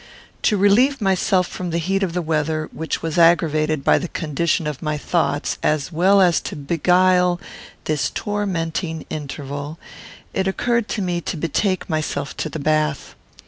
To relieve myself from the heat of the weather, which was aggravated by the condition of my thoughts, as well as to beguile this tormenting interval, it occurred to me to betake myself to the bath.